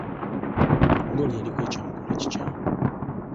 Nga oli yaliko ekyamukolwa ekikyamu